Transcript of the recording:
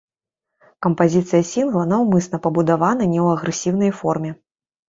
Кампазіцыя сінгла наўмысна пабудавана не ў агрэсіўнай форме.